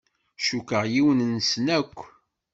Cukkeɣ yiwen-nsen akk.